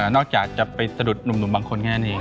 เอ่อนอกจากจะไปสะดุดหนุ่มบางคนแค่นั้นเอง